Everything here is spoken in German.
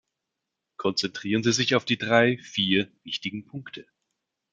Konzentrieren Sie sich auf die drei, vier wichtigen Punkte!